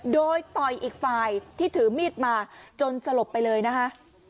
โดยต่อยอีกฝ่ายที่ถือมีดมาจนสลบไปเลยนะคะ